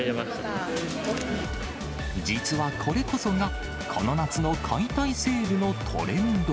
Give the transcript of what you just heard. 実はこれこそが、この夏の解体セールのトレンド。